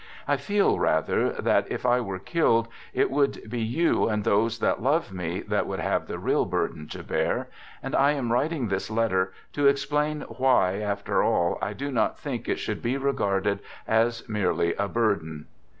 I feel rather that, if I were killed, it would be you and those that love me, that would have the real burden to bear, and I am writing this letter to explain why, after all, I do not think it should be regarded as merely a burden.